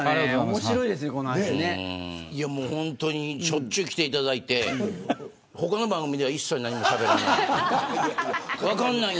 面白いですね、この話。しょっちゅう来ていただいて他の番組では一切何もしゃべらないでいい。